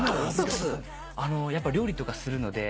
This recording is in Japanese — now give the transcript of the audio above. やっぱ料理とかするので。